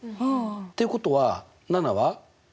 っていうことは７は？